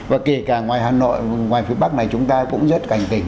và kể cả ngoài hà nội ngoài phía bắc này chúng ta cũng rất cảnh tỉnh